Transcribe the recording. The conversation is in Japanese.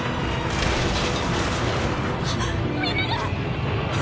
みんなが！